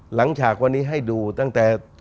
หลังจากวันนี้ให้ดูตั้งแต่